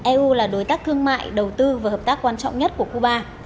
eu là đối tác thương mại đầu tư và hợp tác quan trọng nhất của cuba